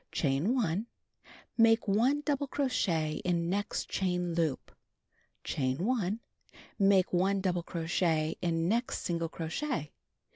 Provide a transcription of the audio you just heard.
Chain L Make 1 double crochet in next chain loop. Chain 1. Make 1 double crochet in next single crochet.